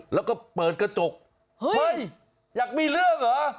แล้วก็เปิดกระจกเฮ้ยอยากมีเรื่องเหรอ